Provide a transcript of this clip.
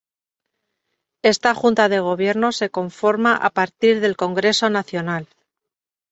Esta Junta de Gobierno se conforma a partir del Congreso Nacional.